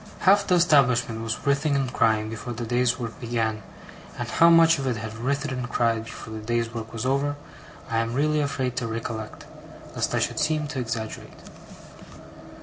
Half the establishment was writhing and crying, before the day's work began; and how much of it had writhed and cried before the day's work was over, I am really afraid to recollect, lest I should seem to exaggerate.